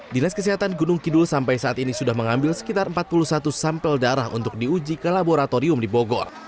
dinas kesehatan gunung kidul sampai saat ini sudah mengambil sekitar empat puluh satu sampel darah untuk diuji ke laboratorium di bogor